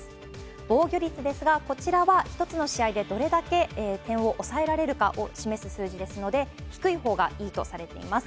防御率ですが、こちらは１つの試合でどれだけ点を抑えられるかを示す数字ですので、低いほうがいいとされています。